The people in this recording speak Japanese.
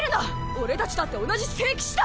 俺たちだって同じ聖騎士だ！